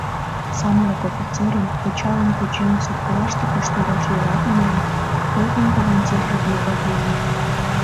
Самырык офицерын, пычалым кучен, сопкылаште коштедаш йӧратымыжым полкын командирже вигак ужын.